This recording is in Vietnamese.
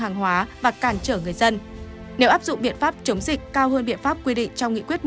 hàng hóa và cản trở người dân nếu áp dụng biện pháp chống dịch cao hơn biện pháp quy định trong nghị quyết một trăm hai mươi tám